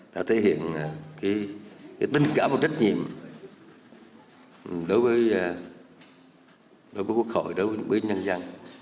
đã thể hiện tình cảm và trách nhiệm đối với quốc hội đối với nhân dân